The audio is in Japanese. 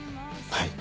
はい。